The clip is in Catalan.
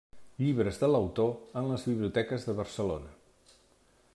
Llibres de l'autor en les biblioteques de Barcelona.